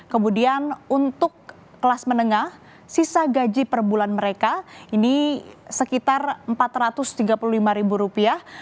kemudian untuk kelas menengah sisa gaji per bulan mereka ini sekitar empat ratus tiga puluh lima ribu rupiah